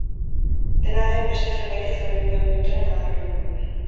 Dena den, beste zenbaitek zoriondu egin dutela nabarmendu du.